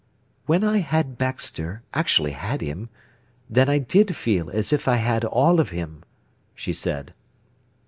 "When I had Baxter, actually had him, then I did feel as if I had all of him," she said.